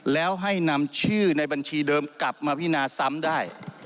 แล้วให้นำชื่อในบัญชีเดิมกลับมาพินาซ้ำได้